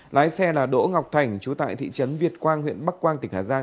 lái xe là đỗ ngọc thành chú tại thị trấn việt quang huyện bắc quang tỉnh hà giang